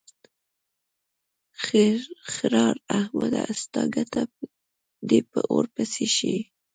ښېرار: احمده! ستا ګټه دې په اور پسې شي.